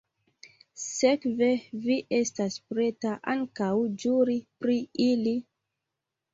Sekve vi estas preta ankaŭ ĵuri pri ili?